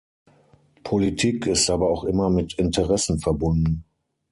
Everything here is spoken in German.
Politik ist aber auch immer mit Interessen verbunden.